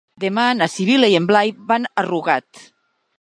Demà na Sibil·la i en Blai van a Rugat.